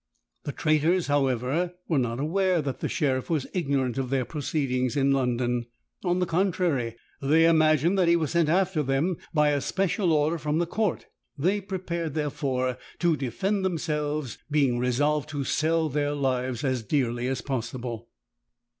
The traitors, however, were not aware that the sheriff was ignorant of their proceedings in London: on the contrary, they imagined that he was sent after them by a special order from the court. They prepared, therefore, to defend themselves, being resolved to sell their lives as dearly as possible.